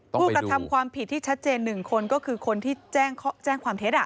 ผู้กระทำความผิดที่ชัดเจน๑คนก็คือคนที่แจ้งความเท็จ